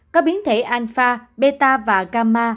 các biến thể alpha beta và gamma